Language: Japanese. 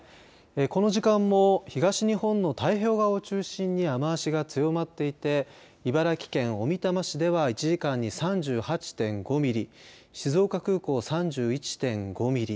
この時間も東日本の太平洋側を中心に雨足が強まっていて茨城県小美玉市では１時間に３８．５ミリ静岡空港は３１．５ミリ